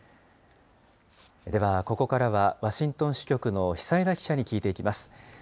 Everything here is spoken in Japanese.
ではここからは、ワシントン支局の久枝記者に聞いていきます。